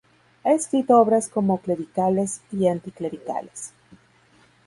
Ha escrito obras como "Clericales y anticlericales.